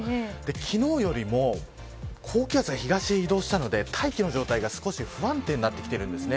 昨日よりも高気圧が東に移動したので、大気の状態が不安定になってきているんです。